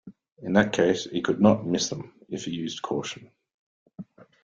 In that case he could not miss them, if he used caution.